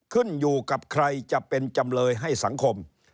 ขึ้นอยู่กับใครจะเป็นจำเลยให้สังคม